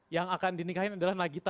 yang akan dinikahin adalah nagita